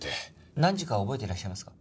何時か覚えていらっしゃいますか？